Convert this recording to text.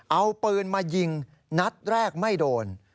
เอาปืนมายิงนัดแรกไม่โดน